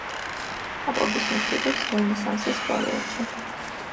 პაპობის ინსტიტუტს რენესანსის პერიოდში.